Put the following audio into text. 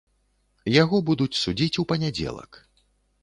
Яго будуць судзіць у панядзелак.